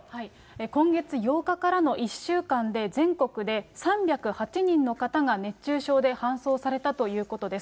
今月８日からの１週間で、全国で３０８人の方が熱中症で搬送されたということです。